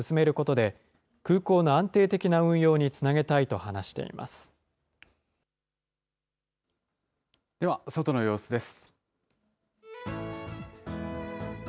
では外の様子です。